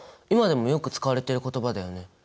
今でもよく使われてる言葉だよね。